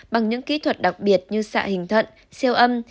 bằng những kỹ thuật đặc biệt như xạ hình thận siêu âm